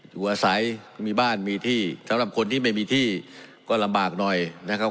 อยู่อาศัยมีบ้านมีที่สำหรับคนที่ไม่มีที่ก็ลำบากหน่อยนะครับ